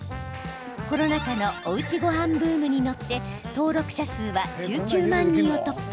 コロナ禍のおうちごはんブームに乗って登録者数は１９万人を突破。